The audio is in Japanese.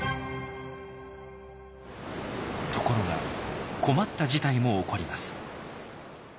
ところが困った事態も起こります。